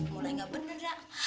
mulai enggak bener nak